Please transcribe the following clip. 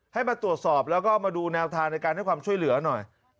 ให้มาตรวจสอบแล้วก็มาดูแนวทางในการให้ความช่วยเหลือหน่อย